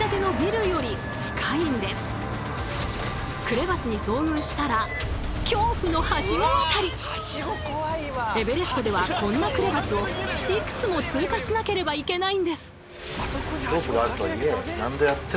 クレバスに遭遇したらエベレストではこんなクレバスをいくつも通過しなければいけないんです！